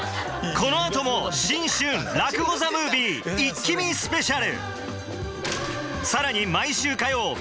このあとも「新春落語ＴＨＥＭＯＶＩＥイッキ見スペシャル」